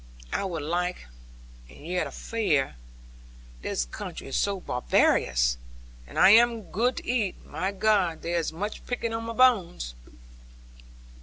'I would like and yet I fear. This country is so barbarous. And I am good to eat my God, there is much picking on my bones!'